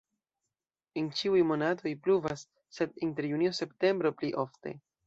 En ĉiuj monatoj pluvas, sed inter junio-septembro pli ofte.